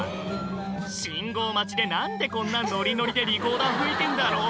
「信号待ちで何でこんなノリノリでリコーダー吹いてんだろう？」